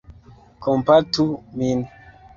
Kompatu min!